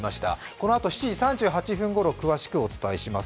このあと７時３８分ごろ、詳しくお伝えします。